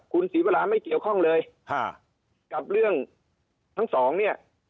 คุณศรีวราไม่เกี่ยวข้องเลยกับเรื่องทั้งสองเนี่ย